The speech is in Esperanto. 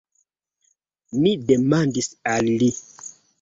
Mi demandis al li.